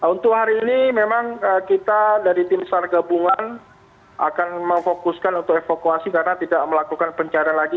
untuk hari ini memang kita dari tim sar gabungan akan memfokuskan untuk evakuasi karena tidak melakukan pencarian lagi